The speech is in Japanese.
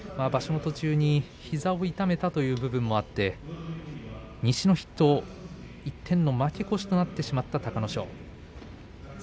途中で膝を痛めたということもありまして、西の筆頭一点の負け越しとなってしまった隆の勝です。